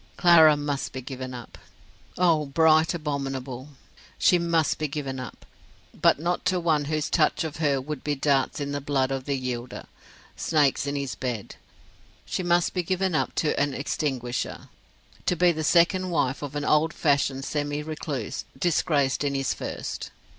Clara must be given up. Oh, bright Abominable! She must be given up: but not to one whose touch of her would be darts in the blood of the yielder, snakes in his bed: she must be given up to an extinguisher; to be the second wife of an old fashioned semi recluse, disgraced in his first.